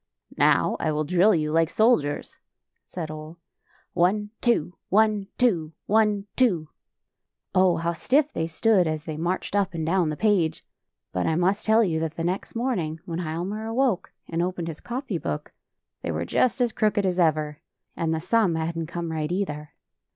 " Now I will drill you like soldiers," said Ole. " One, two; one, two; one, two." Oh, how stiff they stood, as they marched up and down the page! — But I must tell you that the next morning when Hialmar awoke and opened his copy book, they were just as crooked as ever! And the smn hadn't come right, either.